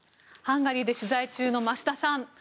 ハンガリーで取材中の増田さん。